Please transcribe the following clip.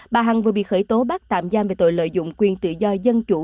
bà hằng vừa bị khởi tố bắt tạm giam về tội lợi dụng quyền tự do dân chủ